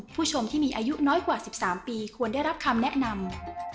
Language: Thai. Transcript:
ผู้ชมที่มีอายุน้อยกว่า๑๓ปีควรได้รับคำแนะนำ